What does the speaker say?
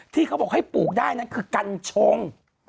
ที่เขาบอกให้ปลูกได้นั้นคือกัญชง